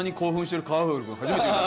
初めて見た。